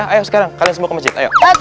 ayo sekarang kalian semua ke masjid ayo